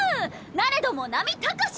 なれども波高し。